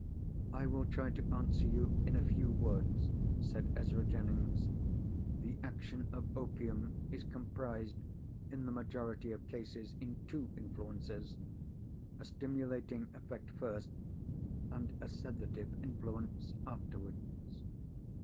"I will try to answer you in a few words," said Ezra Jennings. "The action of opium is comprised, in the majority of cases, in two influences—a stimulating influence first, and a sedative influence afterwards.